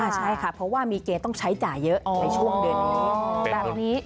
ใช่ค่ะเพราะว่ามีเกณฑ์ต้องใช้จ่ายเยอะในช่วงเดือนนี้แบบนี้